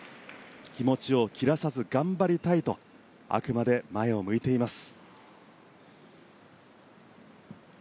気持ちを切らさず頑張りたいとあくまで前を向いています。